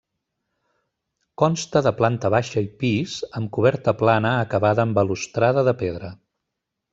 Consta de planta baixa i pis, amb coberta plana acabada en balustrada de pedra.